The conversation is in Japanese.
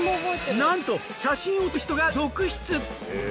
なんと写真を撮る人が続出。